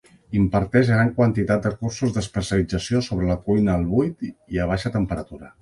Imparteix gran quantitat de cursos d'especialització sobre la cuina al buit i a baixa temperatura.